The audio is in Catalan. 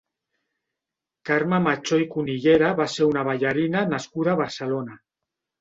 Carme Mechó i Cunillera va ser una ballarina nascuda a Barcelona.